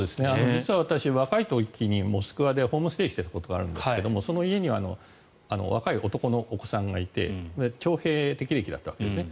実は私、若い時にモスクワでホームステイをしていたことがあるんですがその家には若い男のお子さんがいて徴兵適齢期だったわけですね。